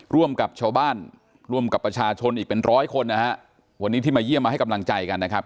ร่วมกับชาวบ้านร่วมกับประชาชนอีกเป็นร้อยคนนะฮะวันนี้ที่มาเยี่ยมมาให้กำลังใจกันนะครับ